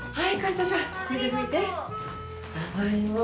ただいま。